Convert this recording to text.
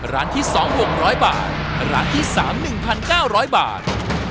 ร้านที่๒๖๐๐บาทร้านที่๓๑๙๐๐บาท